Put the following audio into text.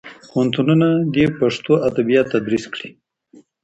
پوهنتونونه دې پښتو ادبیات تدریس کړي.